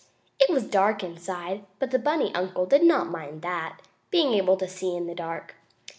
It was dark inside, but the bunny uncle did not mind that, being able to see in the dark.